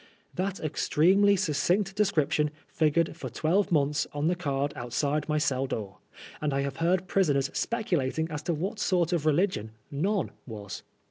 That extremely succinct description figured for twelve months on the card outside my cell door, and I have heard prisoners speculating as to what sort of religion "none" was.